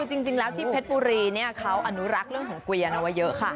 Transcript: จริงแล้วที่เพชรบุรีเขาอนุรักษ์เรื่องของเกวียนเอาไว้เยอะค่ะ